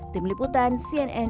tim liputan cnri